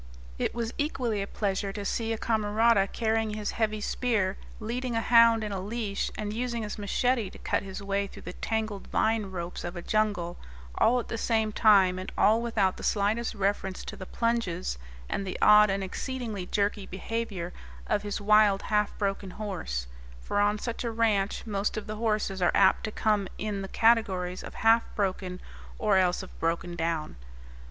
It was equally a pleasure to see a camarada carrying his heavy spear, leading a hound in a leash, and using his machete to cut his way through the tangled vine ropes of a jungle, all at the same time and all without the slightest reference to the plunges, and the odd and exceedingly jerky behavior, of his wild, half broken horse for on such a ranch most of the horses are apt to come in the categories of half broken or else of broken down.